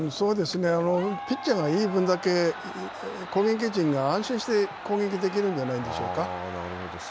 ピッチャーがいい分だけ、攻撃陣が安心して攻撃できるんじゃないでしょうか。